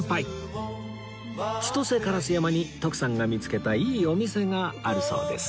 千歳烏山に徳さんが見つけたいいお店があるそうです